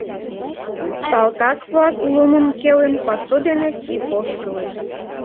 Салтак-влак, лумым келын, пасу дене сип ошкылыт.